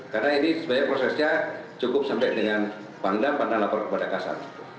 karena ini sebenarnya prosesnya cukup sampai dengan pangdam pernah lapor kepada kasar